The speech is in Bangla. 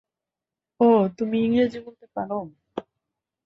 ওহ, তুমি ইংরেজি বলতে পারো।